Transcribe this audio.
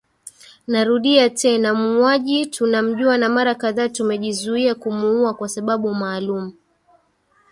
Narudia tena muuaji tunamjua na mara kaadhaa tumejizuia kumuua kwa sababu maalum